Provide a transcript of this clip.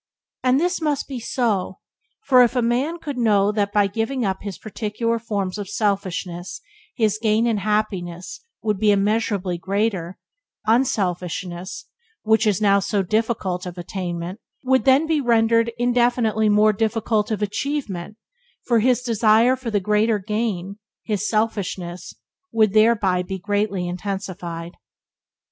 And this must be so; for if a man could know that by giving up his particular forms of selfishness his gain in happiness would be immeasurably greater, unselfishness (which is now so difficult of attainment) would then Byways to Blessedness by James Allen 23 be rendered infinitely more difficult of achievement, for his desire for the greater gain — his selfishness — would thereby be greatly intensified.